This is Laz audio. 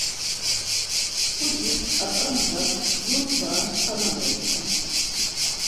Pucis ǩat̆a ndğas jur fara nçala mepçam.